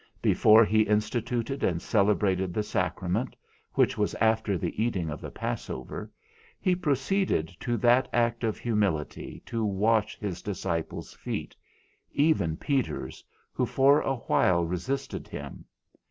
Before he instituted and celebrated the sacrament (which was after the eating of the passover), he proceeded to that act of humility, to wash his disciples' feet, even Peter's, who for a while resisted him.